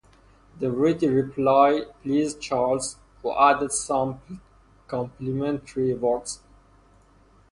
The ready reply pleased Charles, who added some complimentary words.